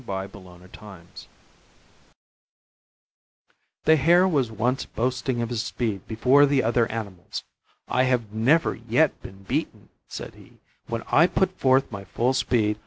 The Hare and the Tortoise The Hare was once boasting of his speed before the other animals. "I have never yet been beaten," said he, "when I put forth my full speed.